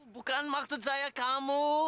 bukan maksud saya kamu